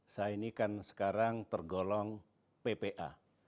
saya ini kan sekarang tergolong ppa